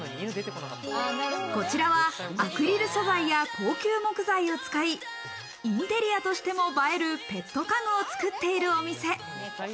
こちらはアクリル素材や高級木材を使い、インテリアとしても映えるペット家具を作っているお店。